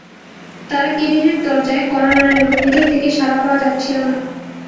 তাঁরা কেবিনের দরজায় কড়া নাড়লেও ভেতর থেকে সাড়া পাওয়া যাচ্ছিল না।